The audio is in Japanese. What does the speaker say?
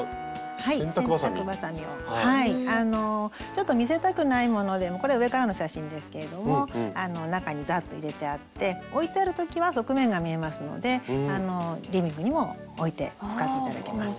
ちょっと見せたくないものでもこれ上からの写真ですけれども中にザッと入れてあって置いてある時は側面が見えますのでリビングにも置いて使って頂けます。